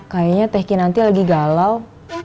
kayaknya teh kinanti lagi galau